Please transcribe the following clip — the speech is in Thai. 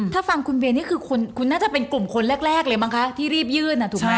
ถ้าฟังคุณเบนนี่คือคุณน่าจะเป็นกลุ่มคนแรกเลยมั้งคะที่รีบยื่นถูกไหม